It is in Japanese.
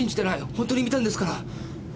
ほんとに見たんですから。